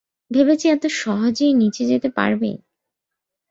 ভেবেছি এত সহজেই নিচে যেতে পারবি?